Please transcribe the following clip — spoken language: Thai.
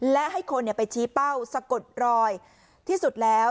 และให้คนไปชี้เป้าสะกดรอยที่สุดแล้ว